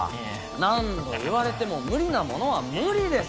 何ど言われてもムリなものはムリです。